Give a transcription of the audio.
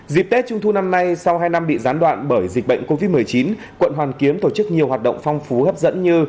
dịp tết trung thu năm nay sau hai năm bị gián đoạn bởi dịch bệnh covid một mươi chín quận hoàn kiếm tổ chức nhiều hoạt động phong phú hấp dẫn như